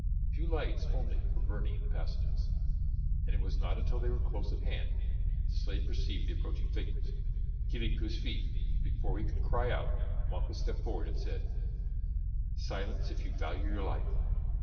Few lights only were burning in the passages, and it was not until they were close at hand that the slave perceived the approaching figures. He leaped to his feet, but before he could cry out Malchus stepped forward and said: "Silence, if you value your life.